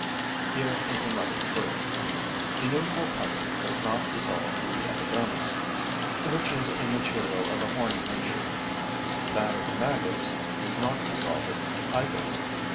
Here is another proof: the usual pepsin does not dissolve the epidermis, which is a material of a horny nature. That of the maggots does not dissolve it either.